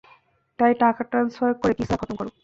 তাই টাকা ট্রান্সফার করে কিসসা খতম করো।